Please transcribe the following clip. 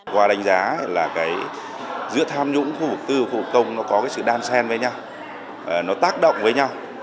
qua đánh giá là cái giữa tham nhũng khu vực tư và khu vực công nó có cái sự đan sen với nhau